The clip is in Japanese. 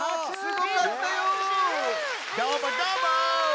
どーもどーも！